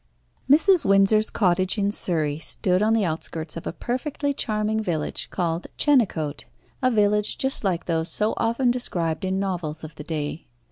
Mrs. Windsor's cottage in Surrey stood on the outskirts of a perfectly charming village called Chenecote, a village just like those so often described in novels of the day.